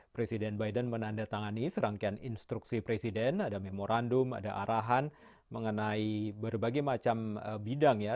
presiden biden menandatangani serangkaian instruksi presiden ada memorandum ada arahan mengenai berbagai macam bidang ya